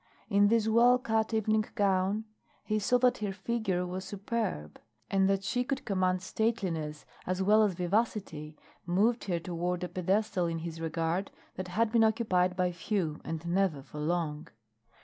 In this well cut evening gown he saw that her figure was superb; and that she could command stateliness as well as vivacity moved her toward a pedestal in his regard that had been occupied by few and never for long.